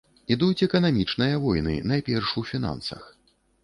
Ідуць эканамічныя войны, найперш у фінансах.